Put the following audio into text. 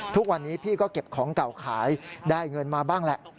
ทุกวันนี้พี่ก็เก็บของเก่าขายได้เงินมาบ้างแหละ